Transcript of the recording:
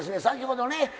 先ほどね